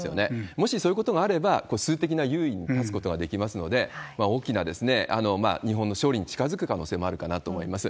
もしそういうことがあれば、数的な優位に立つことができますので、大きな日本の勝利に近づく可能性もあるかと思います。